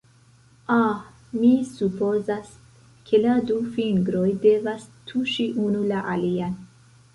Ah, mi supozas ke la du fingroj devas tuŝi unu la alian.